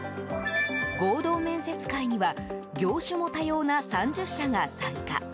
合同面接会には業種も多様な３０社が参加。